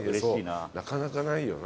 なかなかないよな。